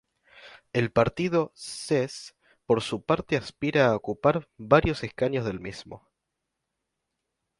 El partido C's por su parte aspira a ocupar varios escaños del mismo.